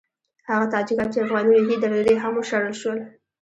هغه تاجکان چې افغاني روحیې درلودې هم وشړل شول.